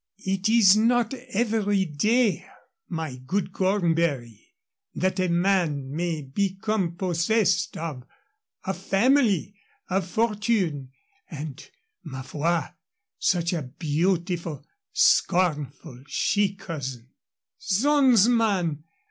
"It is not every day, my good Cornbury, that a man may become possessed of a family, a fortune, and, ma foi, such a beautiful, scornful she cousin " "Zoons, man!